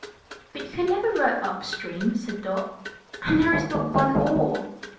"But you can never row it up stream," said Dot; "and there is but one oar."